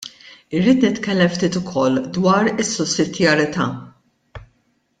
Irrid nitkellem ftit ukoll dwar is-sussidjarjetà.